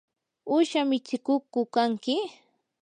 ¿uusha mitsikuqku kanki?